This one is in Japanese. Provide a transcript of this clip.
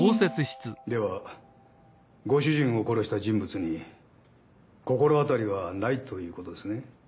ではご主人を殺した人物に心当たりはないということですね？